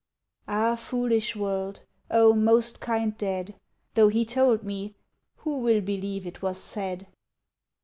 Ah, foolish world! O, most kind dead! Though he told me, who will believe it was said?